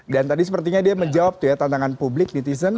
dan tadi sepertinya dia menjawab tantangan publik netizen